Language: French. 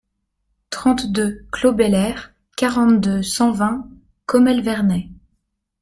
trente-deux clos Bel Air, quarante-deux, cent vingt, Commelle-Vernay